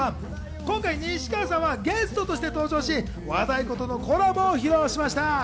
今回、西川さんはゲストとして登場し、和太鼓とのコラボを披露しました。